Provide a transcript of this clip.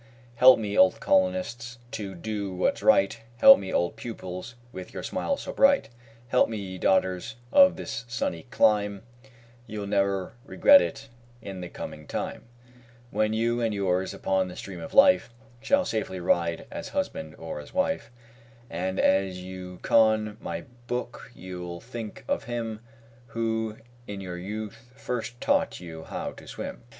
Help me, old colonists, to do what's right; Help me, old pupils, with your smiles so bright; Help me, ye daughters of this sunny clime You'll ne'er regret it in the coming time, When you and yours upon the stream of life Shall safely ride as husband or as wife: And as you con my book you'll think of him Who in your youth first taught you how to swim.